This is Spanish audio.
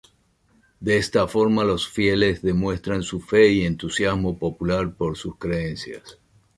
De esta forma los fieles demuestran su fe y entusiasmo popular por sus creencias.